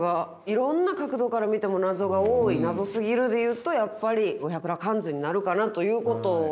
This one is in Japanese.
いろんな角度から見てもナゾが多いナゾすぎるで言うとやっぱり「五百羅漢図」になるかなということですかね。